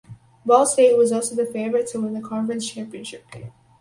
Ball State was also the favorite to win the conference championship game.